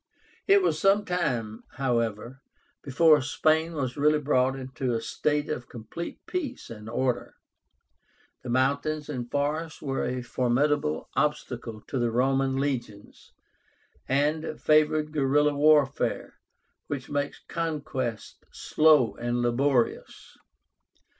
It was some time, however, before Spain was really brought into a state of complete peace and order. The mountains and forests were a formidable obstacle to the Roman legions, and favored guerilla warfare, which makes conquest slow and laborious.